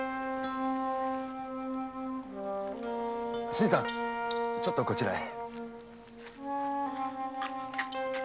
新さんちょっとこちらへ。